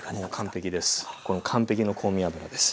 完璧の香味油です。